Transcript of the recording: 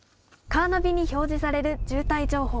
カーナビに表示される渋滞情報。